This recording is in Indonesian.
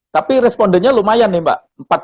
tapi respondennya lumayan nih mbak